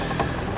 udah dong gak